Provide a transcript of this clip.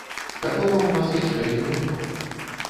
Такога ў нас яшчэ не было.